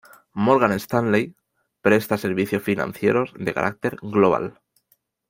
Morgan Stanley presta servicios financieros de carácter global.